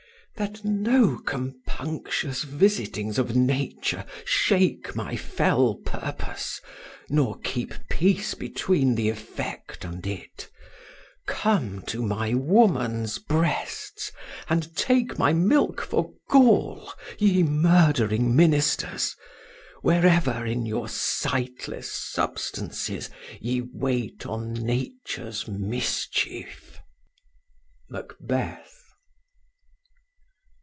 That no compunctious visitings of nature Shake my fell purpose, nor keep peace between The effect and it. Come to my woman's breasts. And take my milk for gall, ye murd'ring ministers. Wherever, in your sightless substances. Ye wait on nature's mischief. Macbeth.